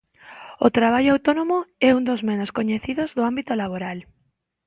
O traballo autónomo é un dos menos coñecidos do ámbito laboral.